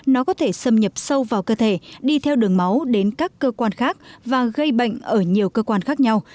nó có thể xâm nhập sâu vào cơ thể đi theo đường máu đến các cơ quan khác và gây bệnh ở nhiều cơ quan khác nhau